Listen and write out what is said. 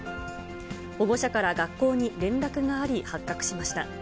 保護者から学校に連絡があり、発覚しました。